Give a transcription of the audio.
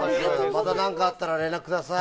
また何かあったら連絡ください。